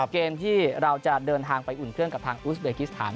เกมที่เราจะเดินทางไปอุ่นเครื่องกับทางอุสเบกิสถาน